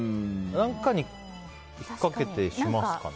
何かに引っ掛けてしますかね。